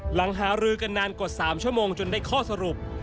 หลังหารือกันนานกว่า๓ชั่วโมงจนได้ข้อสรุป